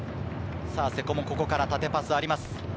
瀬古も、ここから縦パスがあります。